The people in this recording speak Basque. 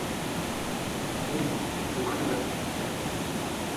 Ondo, bukatu berri dugu.